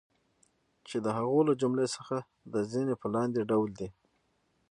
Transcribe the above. چی د هغو له جملی څخه د ځینی په لاندی ډول دی